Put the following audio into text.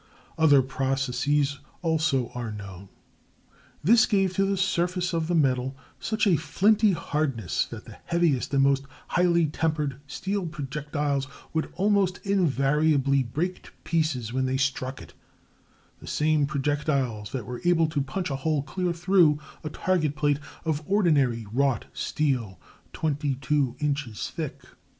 Other processes also are known. This gave to the surface of the metal such a flinty hardness that the heaviest and most highly tempered steel projectiles would almost invariably break to pieces when they struck it—the same projectiles that were able to punch a hole clear through a target plate of ordinary wrought steel twenty two inches thick!